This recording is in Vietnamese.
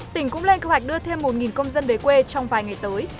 tỉnh cũng lên kế hoạch đưa thêm một công dân về quê trong vài ngày tới